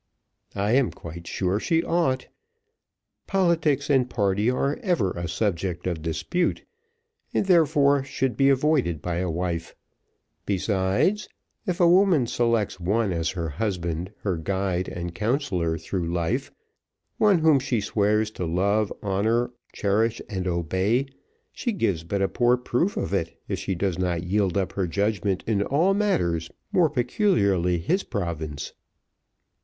"I am quite sure she ought. Politics and party are ever a subject of dispute, and therefore should be avoided by a wife; besides, if a woman selects one as her husband, her guide and counsellor through life, one whom she swears to love, honour, cherish, and obey, she gives but a poor proof of it, if she does not yield up her judgment in all matters more peculiarly his province."